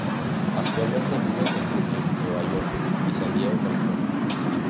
Actualmente vive en Brooklyn, Nueva York y San Diego, California.